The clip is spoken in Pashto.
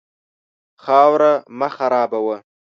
خاوره مه خرابوه.